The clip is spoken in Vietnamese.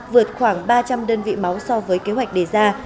vượt khoảng ba trăm linh đơn vị máu so với kế hoạch đề ra